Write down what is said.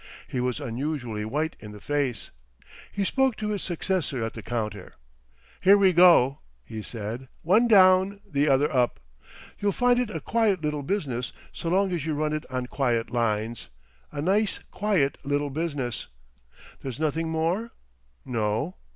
He was unusually white in the face. He spoke to his successor at the counter. "Here we go!" he said. "One down, the other up. You'll find it a quiet little business so long as you run it on quiet lines—a nice quiet little business. There's nothing more? No?